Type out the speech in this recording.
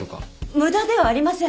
無駄ではありません。